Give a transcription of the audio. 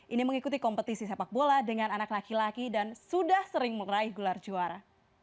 ini mengikuti kompetisi sepak bola dengan anak laki laki dan sudah sering meraih gelar juara